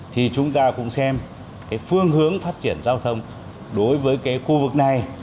thì chúng ta cũng xem phương hướng phát triển giao thông đối với khu vực này